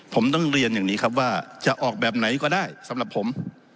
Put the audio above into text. ผมต้องเรียนอย่างนี้ครับว่าจะออกแบบไหนก็ได้สำหรับผม